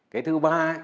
cái thứ ba